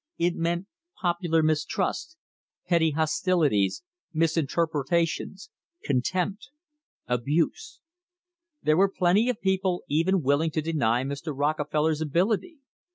It meant popular mistrust, petty hostilities, misinterpretations, contempt, abuse. There were plenty of people even willing to deny Mr. Rockefeller ability.